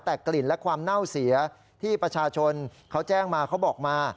แต่กลิ่นและความเน่าเสียที่ประชาชนเขาแจ้งมาเขาบอกมา